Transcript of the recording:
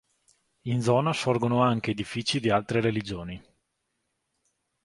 In zona sorgono anche edifici di altre religioni.